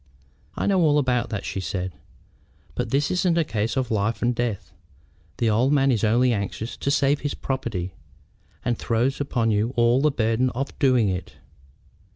"I know all about that," she said; "but this isn't a case of life and death. The old man is only anxious to save his property, and throws upon you all the burden of doing it.